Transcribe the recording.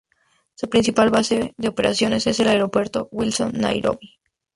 Su principal base de operaciones es el aeropuerto Wilson, Nairobi.